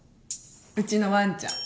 うちのワンちゃん。